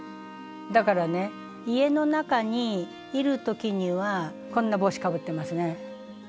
だからね家の中にいる時にはこんな帽子かぶってますね。